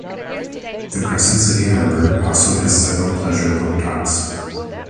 The Crescent City Harbor also has several pleasure boat docks.